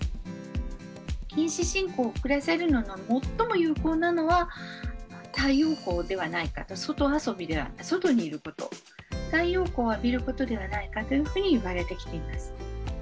近視進行を遅らせるのに最も有効なのは太陽光ではないかと外遊び外にいること太陽光を浴びることではないかというふうにいわれてきています。